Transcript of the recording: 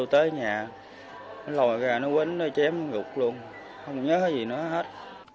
trương thành liêm đừng có nhớ gì nữa hết